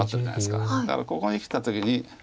だからここにきた時に。